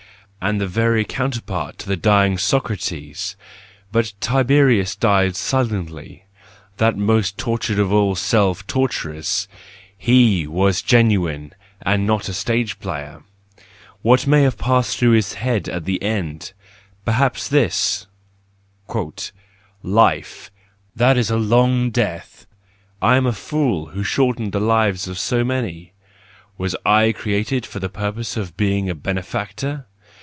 And the very counterpart to the dying Socrates!—But Tiberius died silently, that most tortured of all self torturers,— he was genuine and not a stage player ! What may have passed through his head in the end ! Perhaps this :" Life — that is a long death. I am a fool, who shortened the lives of so many! Was / created for the purpose of being a benefactor